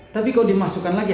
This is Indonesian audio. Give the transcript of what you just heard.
tapi kalau dimasukkan lagi